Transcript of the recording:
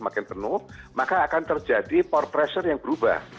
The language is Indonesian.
makin penuh maka akan terjadi power pressure yang berubah